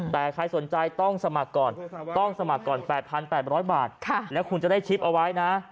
แต่ใครสนใจต้องสมัครก่อนต้องสมัครก่อน๘๘๐๐บาทแล้วคุณจะได้ชิปเอาไว้นะ